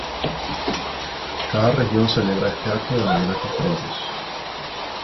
Cada región celebra este acto de maneras diferentes.